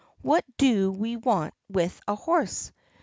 What do we want with a horse?